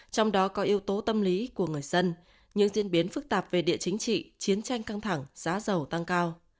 trong đó có yếu tố tâm lý của người dân những diễn biến phức tạp về địa chính trị chiến tranh căng thẳng giá dầu tăng cao